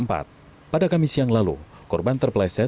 pada kamis yang lalu korban terpleset saat tendaftar